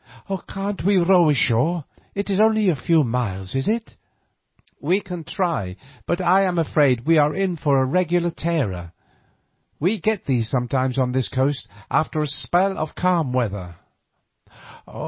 "Can't we row ashore? It is only a few miles, is it?" "We can try, but I am afraid we are in for a regular tearer. We get them sometimes on this coast after a spell of calm weather."